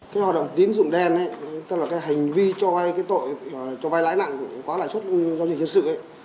cái hoạt động tín dụng đen tức là cái hành vi cho vay cái tội cho vay lãi nặng của quá lãi xuất do dịch hiến sự